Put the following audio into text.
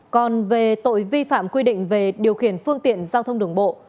còn về tội vi phạm quy định về điều khiển phương tiện giao thông đường bộ